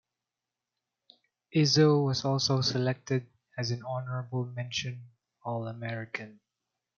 Izzo was also selected as an Honorable Mention All-American.